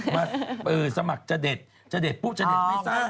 มาสมัครจดตร์จดตร์ปุ๊บจดตร์ไม่สร้าง